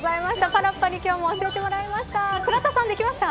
パラッパに今日も教えてもらいました。